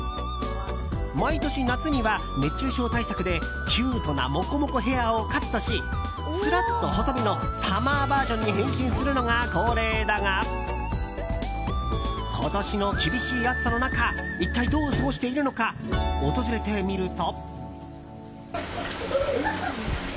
毎年夏には、熱中症対策でキュートなモコモコヘアをカットしスラッと細身のサマーバージョンに変身するのが恒例だが今年の厳しい暑さの中一体どう過ごしているのか訪れてみると。